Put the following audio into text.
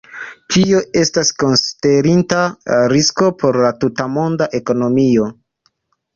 Tio estas konsiderinda risko por la tutmonda ekonomio.